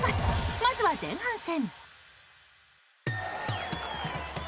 まずは前半戦。